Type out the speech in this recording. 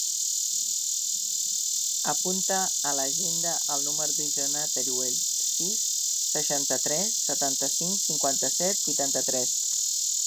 Apunta a l'agenda el número de l'Isona Teruel: sis, seixanta-tres, setanta-cinc, cinquanta-set, vuitanta-tres.